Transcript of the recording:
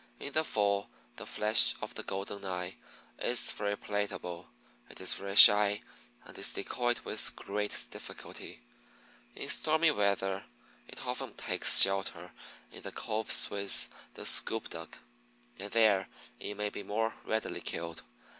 In the fall the flesh of the Golden eye is very palatable. It is very shy and is decoyed with great difficulty. In stormy weather it often takes shelter in the coves with the Scoup Duck, and there it may be more readily killed.